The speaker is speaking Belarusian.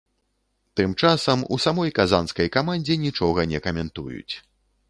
Тым часам у самой казанскай камандзе нічога не каментуюць.